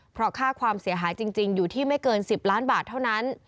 เพราะค่าความเสียหายจริงอยู่ที่ไม่เกิน๑๐ล้านบาทเท่านั้น